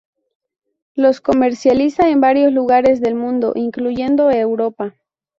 Los comercializa en varios lugares del mundo, incluyendo Europa.